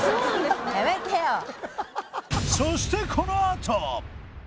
そしてこのあと！